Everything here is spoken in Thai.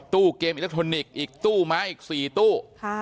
เกมอิเล็กทรอนิกส์อีกตู้ไม้อีก๔ตู้